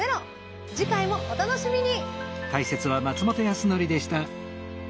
次回もお楽しみに。